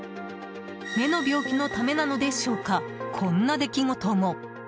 目の病気のためなのでしょうかこんな出来事も。